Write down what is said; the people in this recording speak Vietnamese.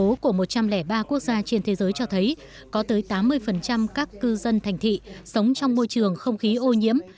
nhiên cứu từ ba thành phố của một trăm linh ba quốc gia trên thế giới cho thấy có tới tám mươi các cư dân thành thị sống trong môi trường không khí ô nhiễm